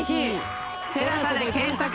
「テラサ」で検索！